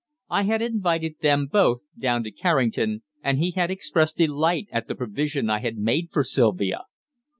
I had invited them both down to Carrington, and he had expressed delight at the provision I had made for Sylvia.